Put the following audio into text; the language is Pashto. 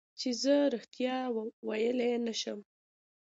چې زه رښتیا ویلی نه شم.